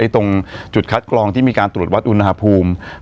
ตรงจุดคัดกรองที่มีการตรวจวัดอุณหภูมิ